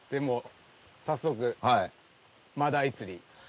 早速マダイ釣り。